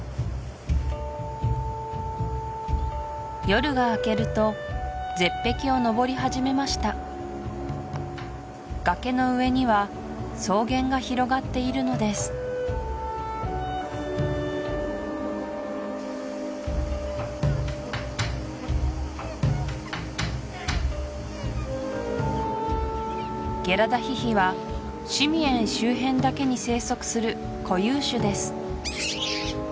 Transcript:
夜が明けると絶壁を登り始めました崖の上には草原が広がっているのですゲラダヒヒはシミエン周辺だけに生息する固有種です